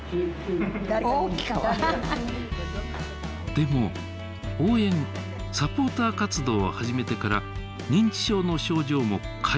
でも応援サポーター活動を始めてから認知症の症状も改善。